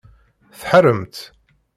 Tḥaremt?